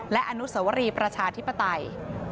และอนุสวรีประชาธิปไตย